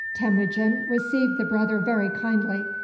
Temujin received the brother very kindly.